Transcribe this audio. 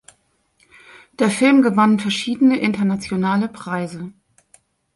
Der Film gewann verschiedene internationale Preise